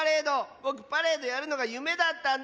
ぼくパレードやるのがゆめだったんだ！